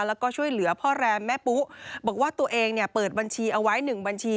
แล้วก็ช่วยเหลือพ่อแรมแม่ปุ๊บอกว่าตัวเองเนี่ยเปิดบัญชีเอาไว้๑บัญชี